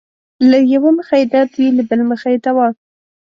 له يؤه مخه يې درد وي له بل مخه يې دوا